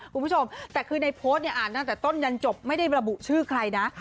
คุณผู้ชมแต่คือในโพสต์เนี่ยอ่านตั้งแต่ต้นยันจบไม่ได้ระบุชื่อใครนะ